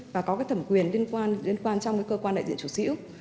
và có thẩm quyền liên quan trong cơ quan đại diện chủ sĩ úc